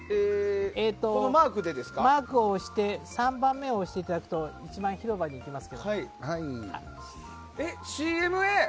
マークを押して３番目を押していただくと違う広場に行きます。